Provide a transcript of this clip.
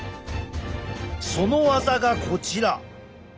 その技がこちら。